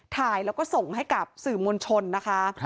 ถ่ายแล้วก็ส่งให้กับสื่อมวลชนนะคะ